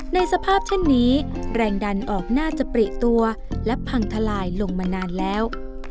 ในสภาพเช่นนี้แรงดันออกน่าจะปริตัวและพังทลายลงมานานแล้ว